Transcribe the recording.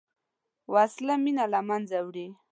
وسله مینه له منځه وړي